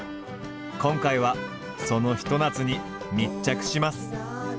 今回はそのひと夏に密着します。